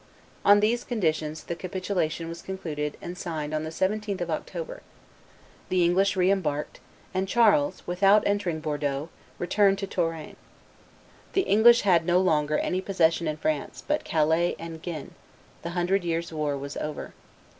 On these conditions the capitulation was concluded and signed on the 17th of October; the English re embarked; and Charles, without entering Bordeaux, returned to Touraine. The English had no longer any possession in France but Calais and Guines; the Hundred Years' War was over.